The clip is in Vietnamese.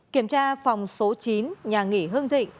kiểm tra phòng số chín nhà nghỉ hưng thị